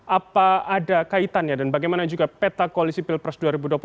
apa ada kaitannya dan bagaimana juga peta koalisi pilpres dua ribu dua puluh empat